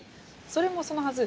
それもそのはず